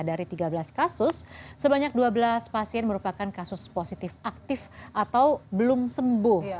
dari tiga belas kasus sebanyak dua belas pasien merupakan kasus positif aktif atau belum sembuh